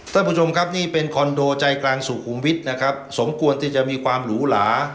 ท่านผู้ชมครับนี่เป็นคอนโดใจกลางสุขุมวิทย์นะครับสมควรที่จะมีความหรูหลา